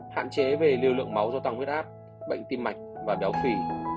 hạn chế về liều lượng máu do tăng huyết áp bệnh tim mạch và béo phỉ